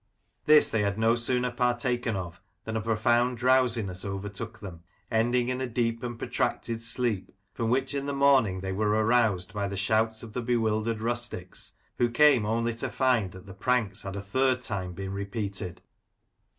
This they had no sooner partaken of than a profound drowsiness overtook them, ending in a deep and protracted sleep, from which in the morning they were aroused by the shouts of the bewildered rustics, who came only to find that the pranks had a third time been repeated.